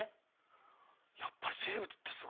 やっぱり生物ってすごいな。